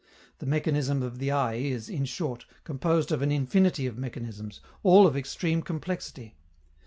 The mechanism of the eye is, in short, composed of an infinity of mechanisms, all of extreme complexity.